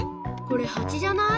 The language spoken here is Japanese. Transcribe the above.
これハチじゃない？